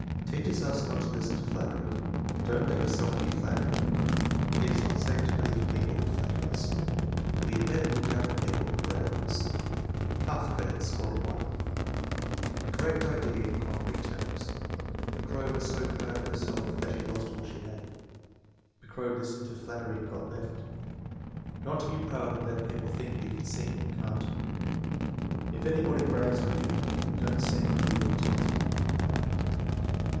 "Teaches us not to listen to flattery." "Don't let yourself be flattered." "It is not safe to believe people who flatter us." "We had better look out for people who brag on us." Half credit; score 1. Correct idea in concrete terms: "The crow was so proud of herself that she lost all she had." "The crow listened to flattery and got left." "Not to be proud and let people think you can sing when you can't." "If anybody brags on you don't sing or do what he tells you."